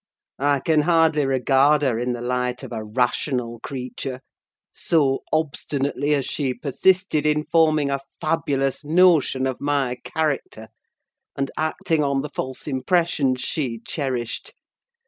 I can hardly regard her in the light of a rational creature, so obstinately has she persisted in forming a fabulous notion of my character and acting on the false impressions she cherished.